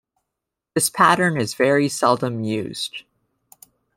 This pattern is very seldom used.